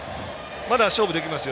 まだ勝負できますよ。